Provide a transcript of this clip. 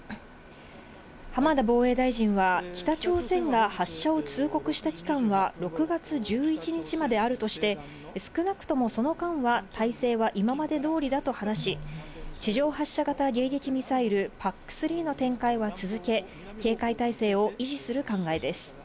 浜田防衛大臣は、北朝鮮が発射を通告した期間は６月１１日まであるとして、少なくともその間は態勢は今までどおりだと話し、地上発射型迎撃ミサイル、ＰＡＣ３の展開は続け、警戒態勢を維持する考えです。